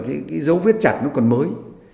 cái dấu viết chặt nó còn mới